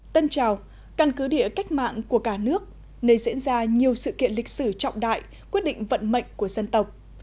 tân trào căn cứ địa cách mạng của cả nước nơi diễn ra nhiều sự kiện lịch sử trọng đại quyết định vận mệnh của dân tộc